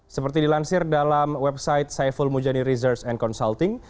seperti dilansir dalam website saiful mujani research and consulting